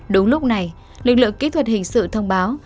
đúng lúc này lực lượng kỹ thuật hình sự thông báo